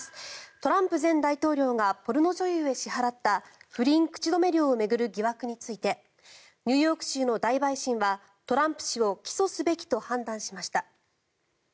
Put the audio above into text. トランプ前大統領がポルノ女優へ支払った不倫口止め料を巡る疑惑についてニューヨーク州の大陪審はトランプ氏を起訴すべきと判断しました。